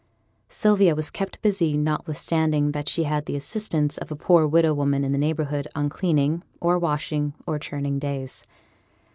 Sylvia was kept very busy, notwithstanding that she had the assistance of a poor widow woman in the neighbourhood on cleaning, or washing, or churning days.